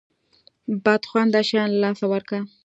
بد خونده شیان له لاسه ورکه.